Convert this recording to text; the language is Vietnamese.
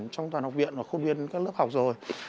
trong toàn học viện và khu viện các lớp học rồi